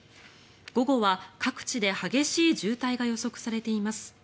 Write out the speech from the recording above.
午後は各地で激しい渋滞が予測されています。